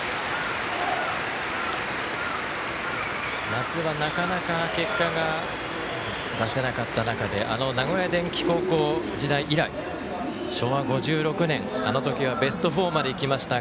夏はなかなか結果が出せなかった中で名古屋電気高校時代昭和５６年、あの時はベスト４までいきました。